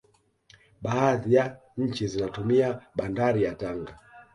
baadhi ya nchi zinatumia bandari ya tanga